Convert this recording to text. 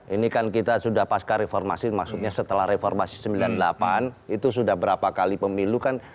ini kan kita sudah pasca reformasi maksudnya setelah reformasi sembilan puluh delapan itu sudah berapa kali pemilu kan